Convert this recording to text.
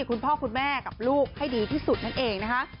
คุณพ่อคุณแม่กับลูกให้ดีที่สุดนั่นเองนะคะ